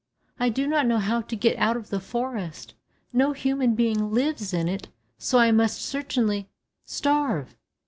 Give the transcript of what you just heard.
I do not know how to get out of the forest, no human being lives in it, so I must certainly starve."